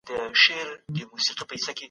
تاسي کله د دغي سرلوړي خوند وګتی؟